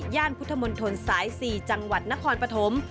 ย่านพุทธมนตร์ถนสาย๔จังหวัดนครปฐม